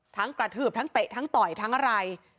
กระทืบทั้งเตะทั้งต่อยทั้งอะไร